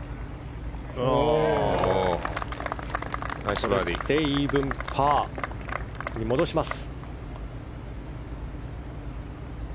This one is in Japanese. これでイーブンパーに戻します。